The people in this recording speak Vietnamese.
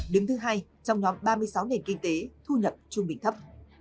đứng thứ hai trong nhóm ba mươi sáu nền kinh tế thu nhập trung bình thấp